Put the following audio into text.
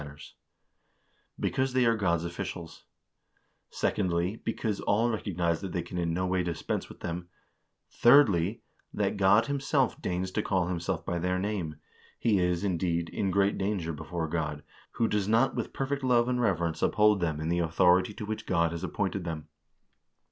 A NEW SYSTEM OF JURISPRUDENCE 463 Because they are God's officials; secondly, because all recognize that they can in no way dispense with them ; thirdly, that God him self deigns to call himself by their name, he is, indeed, in great dan ger before God, who does not with perfect love and reverence uphold them in the authority to which God has appointed them."